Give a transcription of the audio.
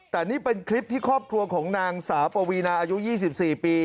แต่นี่เป็นคลิปที่ครอบครัวของนางสาวปวีนาอายุ๒๔ปี